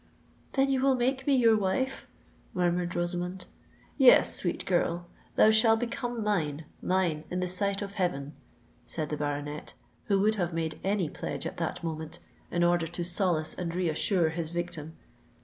"Then you will make me your wife?" murmured Rosamond. "Yes, sweet girl—thou shall become mine—mine in the sight of heaven!" said the baronet, who would have made any pledge at that moment, in order to solace and reassure his victim.